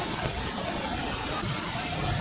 kota yang terkenal dengan